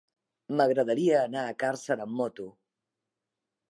M'agradaria anar a Càrcer amb moto.